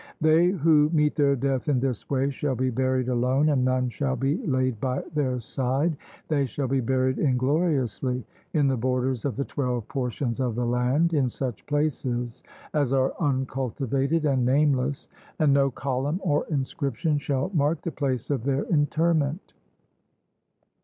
They who meet their death in this way shall be buried alone, and none shall be laid by their side; they shall be buried ingloriously in the borders of the twelve portions of the land, in such places as are uncultivated and nameless, and no column or inscription shall mark the place of their interment.